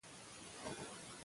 څنګه دا عادت پیل شو؟